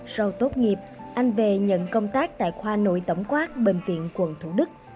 sau tốt nghiệp anh về nhận công tác tại khoa nội tổng quát bệnh viện quần thủ đức